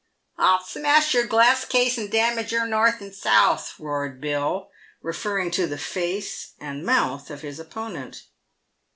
" I'll smash your ' glass case,' and damage your ' north and south/ " roared Bill, referring to the face and mouth of his opponent.